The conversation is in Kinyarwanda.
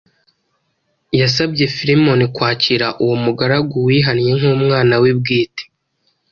yasabye Filemoni kwakira uwo mugaragu wihannye nk’umwana we bwite,